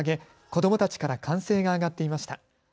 子どもたちから歓声が上がっていました。